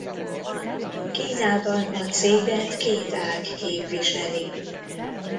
Kínában a céget két ág képviseli.